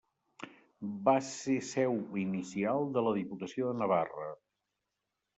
Va ser seu inicial de la Diputació de Navarra.